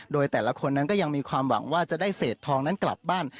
โดยแต่ละคนนั้นก็ยังมีความหวังว่าจะได้เศษทองนั้นกลับบ้าน